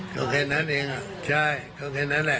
เขาแค่นั้นเองใช่เขาแค่นั้นแหละ